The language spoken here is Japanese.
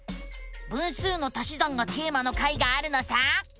「分数の足し算」がテーマの回があるのさ！